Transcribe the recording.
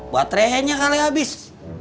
baterainya kali abis